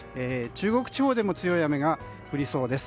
中国地方で強い雨が降りそうです。